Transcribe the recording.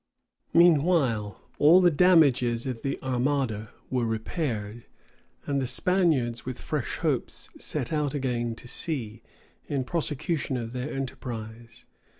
Meanwhile all the damages of the armada were repaired; and the Spaniards with fresh hopes set out again to sea, in prosecution of their enterprise.